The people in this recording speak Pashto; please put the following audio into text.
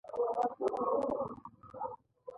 ما دا لیکل د زړه تشولو لپاره کړي دي